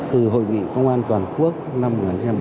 từ hội nghị công an toàn quốc năm một nghìn chín trăm bảy mươi ba